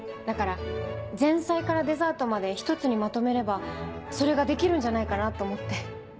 だから前菜からデザートまで一つにまとめればそれができるんじゃないかなと思って。